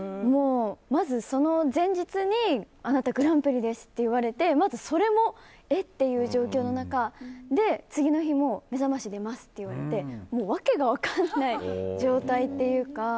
まず、その前日にあなたグランプリですって言われてまずそれも、え？という状況の中次の日も「めざまし」出ますって言われてもう訳が分からない状態というか。